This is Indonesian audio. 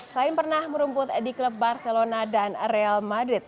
selain pernah merumput di klub barcelona dan real madrid